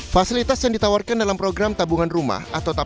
fasilitas yang ditawarkan dalam program tabungan rumah atau tabungan